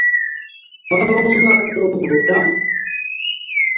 কথা বলছ না কেন নিজাম?